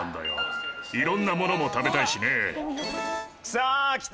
さあきた！